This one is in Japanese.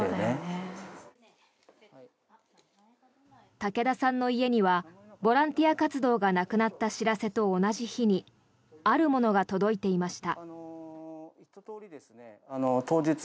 竹田さんの家にはボランティア活動がなくなった知らせと同じ日にあるものが届いていました。